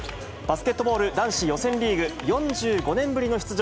バスケットボール男子予選リーグ、４５年ぶりの出場。